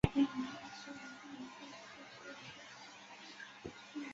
不同金属的脉动声也有所不同。